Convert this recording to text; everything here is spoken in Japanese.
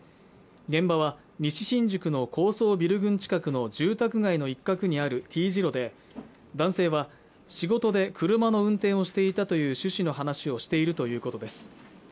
現場は西新宿の高層ビル群近くの住宅街の一角にあるＴ字路で男性は仕事で車の運転をしていたという趣旨の話をしているということです